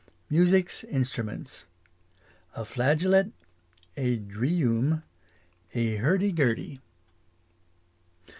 Music's instruments. A flagelet | A dreum A hurdy gurdy.